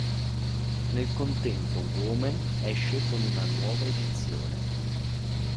Nel contempo Women esce con una nuova edizione.